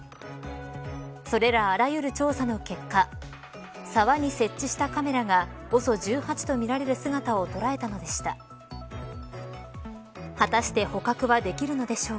それら、あらゆる調査の結果沢に設置したカメラがＯＳＯ１８とみられる姿を捉えたのでした。